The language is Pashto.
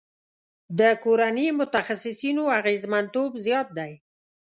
د کورني متخصصینو اغیزمنتوب زیات دی.